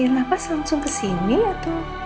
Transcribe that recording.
langsung ke sini atau